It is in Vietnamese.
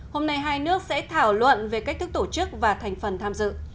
hôm nay hai nước sẽ thảo luận về cách thức tổ chức và thành phần tham dự